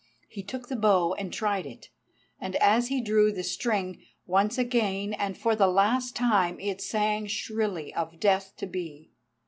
He took the bow and tried it, and as he drew the string, once again and for the last time it sang shrilly of death to be.